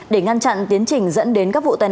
để ngăn chặn tiến trình dẫn đến các vụ tai nạn